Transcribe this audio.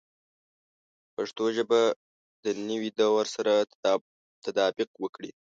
پښتو ژبه د نوي دور سره تطابق وکړي.